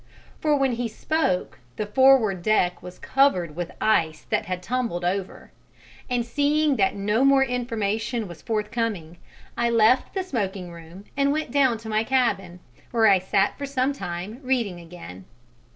for when he spoke the forward deck was covered with ice that had tumbled over, and seeing that no more information was forthcoming, I left the smoking room and went down to my cabin, where I sat for some time reading again.